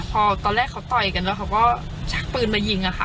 พอตอนแรกเขาต่อยกันแล้วเขาก็ชักปืนมายิงอะค่ะ